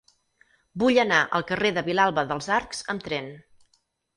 Vull anar al carrer de Vilalba dels Arcs amb tren.